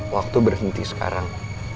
waktu berhenti sekarang